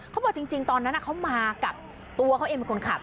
เขาบอกจริงตอนนั้นเขามากับตัวเขาเองเป็นคนขับ